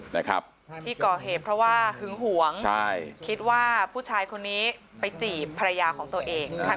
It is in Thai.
นะครับที่ก่อเหตุเพราะว่าหึงหวงใช่คิดว่าผู้ชายคนนี้ไปจีบภรรยาของตัวเอง